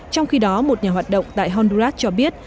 trong khi đó một nhà hoạt động tại honduras cho biết